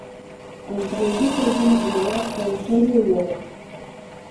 انګریزي پوځونو عملیات پیل کړي وو.